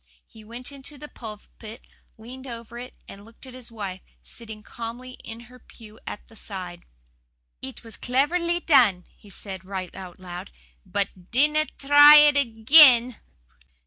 He went into the pulpit, leaned over it and looked at his wife, sitting calmly in her pew at the side. "'It was cleverly done,' he said, right out loud, 'BUT DINNA TRY IT AGAIN!